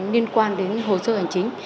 liên quan đến hồ sơ hành chính